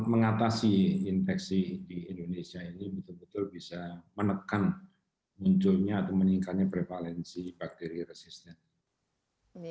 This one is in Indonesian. mengatasi infeksi di indonesia ini betul betul bisa menekan munculnya atau meningkatnya prevalensi bakteri resisnya